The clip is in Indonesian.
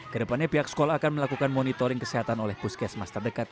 kedepannya pihak sekolah akan melakukan monitoring kesehatan oleh puskesmas terdekat